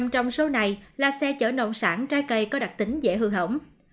tám mươi trong số này là xe chở nộn sản trái cây có đặc tính dễ hư hỏng